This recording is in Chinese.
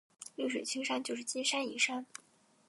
绿水青山就是金山银山